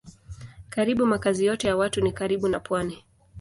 Karibu makazi yote ya watu ni karibu na pwani.